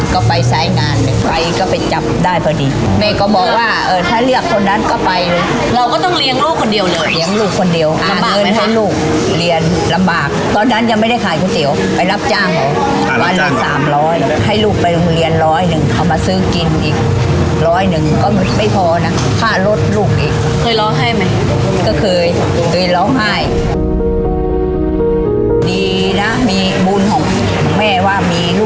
ก็ไปใส่งานไปก็ไปจับได้พอดีแม่ก็บอกว่าเออถ้าเรียกคนนั้นก็ไปเราก็ต้องเลี้ยงลูกคนเดียวเหรอเลี้ยงลูกคนเดียวอ่ะเงินให้ลูกเรียนลำบากตอนนั้นยังไม่ได้ขายก๋วยเตี๋ยวไปรับจ้างหรอวันละ๓๐๐ให้ลูกไปโรงเรียนร้อยหนึ่งเอามาซื้อกินอีกร้อยหนึ่งก็ไม่พอนะค่ารสลุกอีกเคยร้องไห้ไหมก็เคยเคยร้องไห้ด